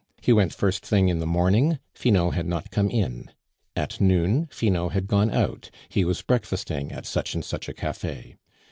He went first thing in the morning; Finot had not come in. At noon, Finot had gone out; he was breakfasting at such and such a cafe.